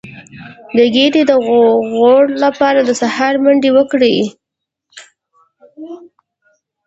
د ګیډې د غوړ لپاره د سهار منډه وکړئ